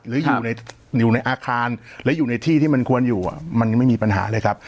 หรืออยู่ในอาคารและอยู่ในที่ที่มันควรอยู่มันยังไม่มีปัญหาเลยครับ